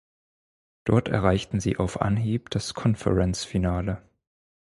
Dort erreichten sie auf Anhieb das Conference-Finale.